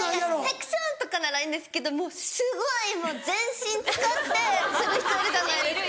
「ヘックション！」とかならいいんですけどもうすごい全身使ってする人いるじゃないですか。